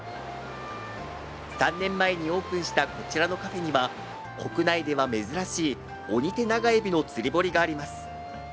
３年前にオープンした、こちらのカフェには国内では珍しいオニテナガエビの釣り堀があります。